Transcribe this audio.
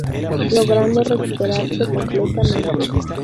Logrando recuperarse completamente.